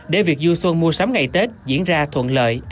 để việc du xuân mua sắm ngày tết diễn ra thuận lợi an toàn